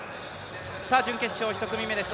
準決勝１組目です。